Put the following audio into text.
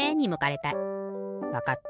わかった。